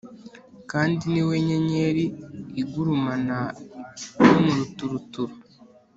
kandi ni We Nyenyeri Igurumana yo mu Ruturuturu